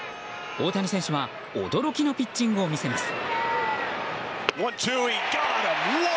大谷選手は驚きのピッチングを見せます。